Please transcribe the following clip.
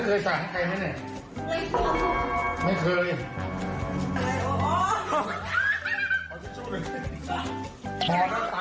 เอ้าน้ำไม่ใส่ลูก